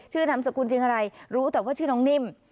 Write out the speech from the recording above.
นามสกุลจริงอะไรรู้แต่ว่าชื่อน้องนิ่ม